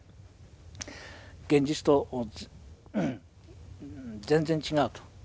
現実と全然違うと。